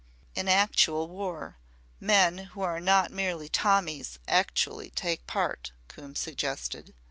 "In actual war, men who are not merely 'Tommies' actually take part," Coombe suggested.